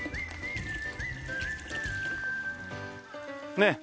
ねえ。